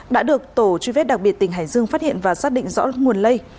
đã được tổ truy vết đặc biệt tỉnh hải dương phát hiện và xác định rõ nguồn lây